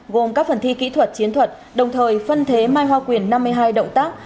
gồm các phần thi kỹ thuật chiến thuật đồng thời phân thế mai hoa quyền năm mươi hai động tác